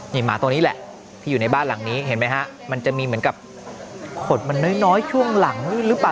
นี่หมาตัวนี้แหละที่อยู่ในบ้านหลังนี้เห็นไหมฮะมันจะมีเหมือนกับขดมันน้อยช่วงหลังหรือเปล่า